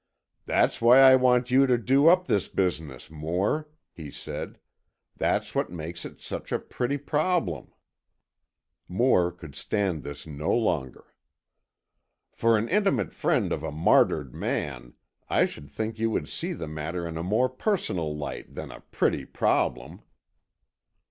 "That's why I want you to do up this business, Moore," he said. "That's what makes it such a pretty problem——" Moore could stand this no longer. "For an intimate friend of a martyred man, I should think you would see the matter in a more personal light than a pretty problem!"